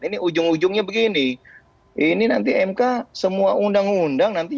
ini ujung ujungnya begini ini nanti mk semua undang undang nanti